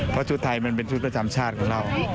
เพราะชุดไทยมันเป็นชุดประจำชาติของเรา